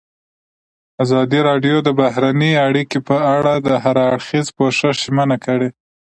ازادي راډیو د بهرنۍ اړیکې په اړه د هر اړخیز پوښښ ژمنه کړې.